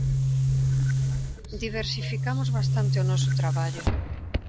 Diversificamos bastante o noso traballo.